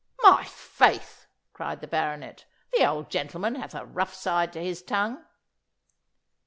'My faith!' cried the Baronet, 'the old gentleman hath a rough side to his tongue.